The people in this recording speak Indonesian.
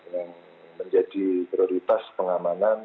yang menjadi prioritas pengamanan